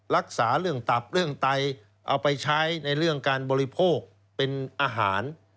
รักษาเรื่องตับเรื่องไตเอาไปใช้ในเรื่องการบริโภคเป็นอาหาร